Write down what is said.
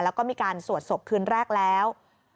แล้วก็มีการสวดศพคืนแรกแล้ว